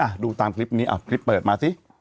ดูตามคลิปนี้อ่ะคลิปเปิดมาสิ